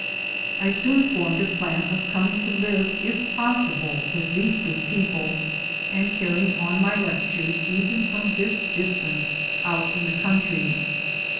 I soon formed a plan of coming to live if possible with these good people, and carry ing on my lectures even from this distance out in the country.